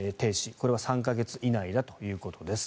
これは３か月以内だということです。